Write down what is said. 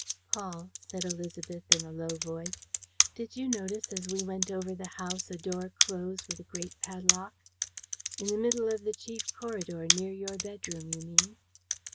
"Paul," said Élisabeth, in a low voice, "did you notice, as we went over the house, a door closed with a great padlock?" "In the middle of the chief corridor, near your bedroom, you mean?"